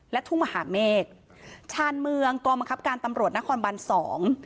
และทุ่งมหาเมฆชาญเมืองกองบังคับการตำรวจนครบันสอง